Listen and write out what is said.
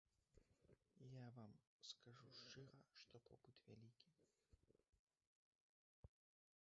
Я вам скажу шчыра, што попыт вялікі.